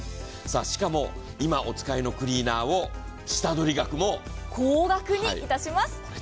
しかも、今お使いのクリーナーを下取り額も高額にいたします。